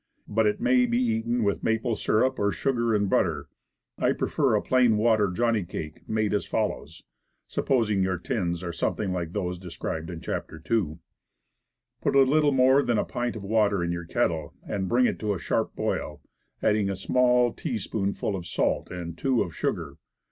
But it may be eaten, with maple syrup or sugar and butter. I prefer a plain water Johnny cake, made as follows (supposing your tins are some thing like those described in Chapter II.): Put a little more than a pint of water in your kettle and bring it to a sharp boil, adding a small teaspoonful of salt, and two of sugar.